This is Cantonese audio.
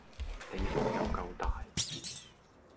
地方又夠大